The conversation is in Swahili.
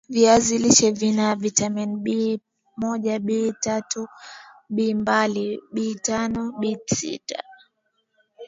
viazi lishe vina vitamini B moja B tatu Bmbili B tano B sita